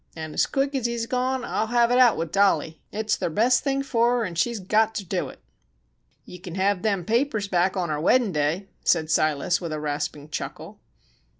"An' as quick's he's gone, I'll hev it out with Dolly. It's ther best thing fer her an' she's got ter dew it." "Yew kin hev them papers back on our weddin' day," said Silas, with a rasping chuckle.